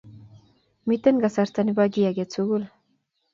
Mitei kasarta nebo kiy age tugul